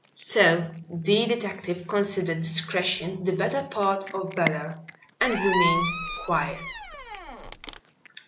So the detective considered discretion the better part of valor and remained quiet.